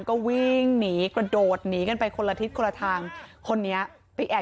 ก็วิ่งหนีกระโดดหนีกันไปคนละทิศคนละทางคนนี้ไปแอบ